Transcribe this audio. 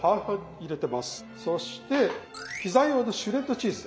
そしてピザ用のシュレッドチーズ。